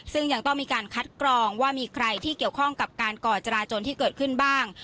ซึ่งยังต้องมีการคัดกรองว่ามีใครที่เกี่ยวข้องกับการก่อจราจนที่เกิดขึ้นบ้าง